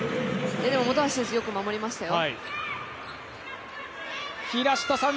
でも、本橋選手、よく守りましたよ。